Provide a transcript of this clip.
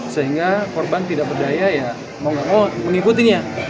sehingga korban tidak berdaya ya mau nggak mau mengikutinya